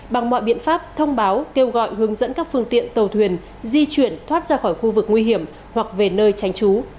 bằng mọi biện pháp thông báo kêu gọi hướng dẫn các phương tiện tàu thuyền di chuyển thoát ra khỏi khu vực nguy hiểm hoặc về nơi tránh trú